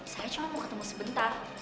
saya cuma mau ketemu sebentar